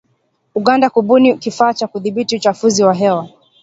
Uganda kubuni kifaa cha kudhibiti uchafuzi wa hewa